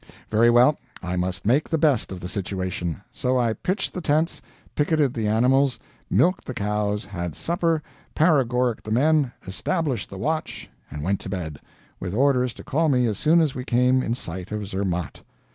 Very well, I must make the best of the situation. So I pitched the tents, picketed the animals, milked the cows, had supper, paregoricked the men, established the watch, and went to bed with orders to call me as soon as we came in sight of Zermatt.